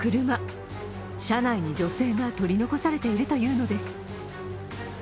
車内に女性が取り残されているというのです。